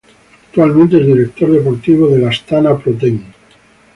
Actualmente es director deportivo del Astana Pro Team.